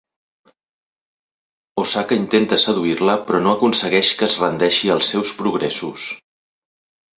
Osaka intenta seduir-la però no aconsegueix que es rendeixi als seus progressos.